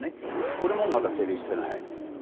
これもまだ成立してない。